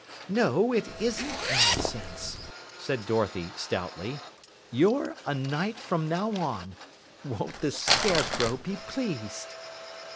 "No, it isn't nonsense," said Dorothy stoutly. "You're a knight from now on. Won't the Scarecrow be pleased?"